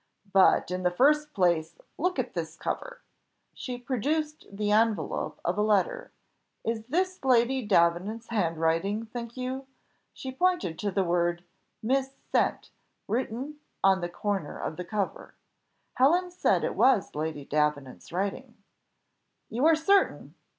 But in the first place look at this cover." She produced the envelope of a letter. "Is this Lady Davenant's handwriting, think you?" She pointed to the word "Mis sent," written on the corner of the cover. Helen said it was Lady Davenant's writing. "You are certain?